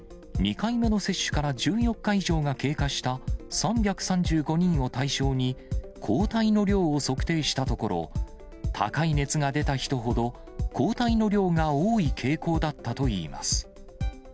２回目の接種から１４日以上が経過した、３３５人を対象に抗体の量を測定したところ、高い熱が出た人ほど、抗体の量が多い傾向だったといいます。